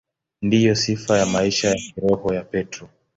Ndiyo sifa ya maisha ya kiroho ya Petro.